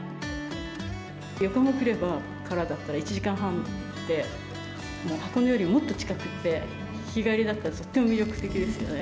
横浜から来れば１時間半で、箱根よりもっと近くって、日帰りだったらとっても魅力的ですよね。